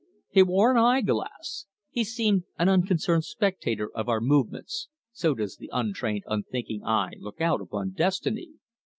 He wore an eye glass; he seemed an unconcerned spectator of our movements so does the untrained, unthinking eye look out upon destiny!